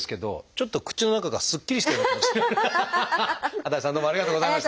安達さんどうもありがとうございました。